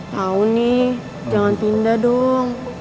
tau nih jangan pindah dong